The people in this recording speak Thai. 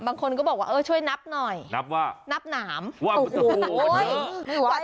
บางคนก็บอกว่าเออช่วยนับหน่อยนับว่านับหนามว่ามันจะเผาเยอะ